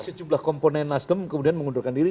sejumlah komponen nasdem kemudian mengundurkan diri